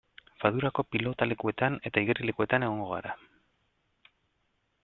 Fadurako pilotalekuetan eta igerilekuetan egongo gara.